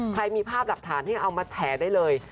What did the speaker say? ใครมีภาพดับฐานที่จะเอามาแฉได้เลย